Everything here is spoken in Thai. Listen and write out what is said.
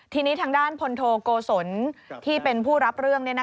ทีนี้ทางด้านพลโทโกศลที่เป็นผู้รับเรื่อง